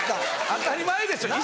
当たり前ですよ